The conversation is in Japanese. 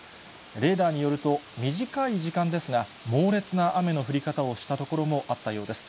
レーダーによると、短い時間ですが、猛烈な雨の降り方をした所もあったようです。